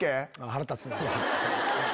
腹立つなぁ。